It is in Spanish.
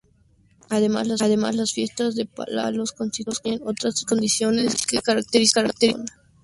Además, las fiestas de palos, constituyen otras tradiciones que caracterizan esta zona.